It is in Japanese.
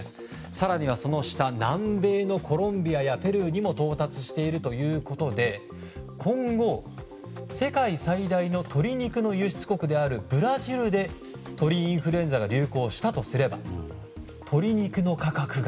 更には、南米のコロンビアやペルーにも到達しているということで今後、世界最大の鶏肉の輸出国であるブラジルで鳥インフルエンザが流行したとすれば鶏肉の価格が。